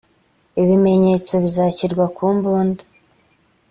ibimenyetso bizashyirwa ku mbunda